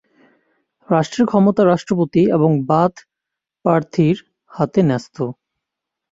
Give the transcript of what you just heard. রাষ্ট্রের ক্ষমতা রাষ্ট্রপতি এবং বাথ পার্টির হাতে ন্যস্ত।